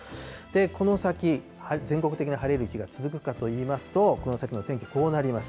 この先、全国的に晴れる日が続くかといいますと、この先の天気、こうなります。